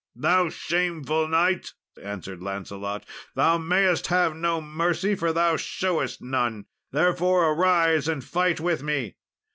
"Thou shameful knight," answered Lancelot, "thou mayest have no mercy, for thou showedst none, therefore arise and fight with me."